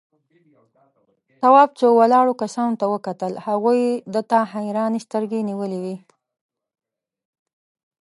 تواب څو ولاړو کسانو ته وکتل، هغوی ده ته حيرانې سترگې نيولې وې.